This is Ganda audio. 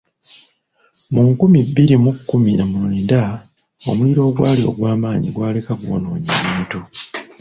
Mu nkumi bbiri mu kkumi na mwenda omuliro ogwali ogwamaanyi gwaleka gwonoonye ebintu.